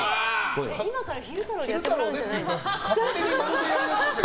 今から昼太郎やってもらうんじゃないの？